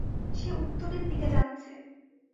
সে উত্তরের দিকে যাচ্ছে।